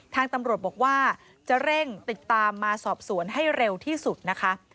ทางตำรวจบอกว่าจะเร่งติดตามมาสอบสวนให้เร็วที่สุดนะคะ